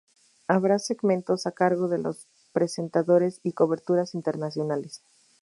Habrá segmentos a cargo de los presentadores y coberturas internacionales.